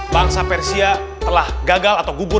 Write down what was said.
bangsa persia telah gagal atau gugur